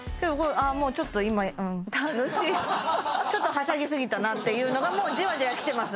もうちょっと今うん楽しいちょっとはしゃぎすぎたなっていうのがもうじわじわきてます